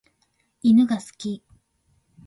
犬が好き。